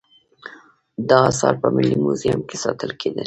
دا اثار په ملي موزیم کې ساتل کیدل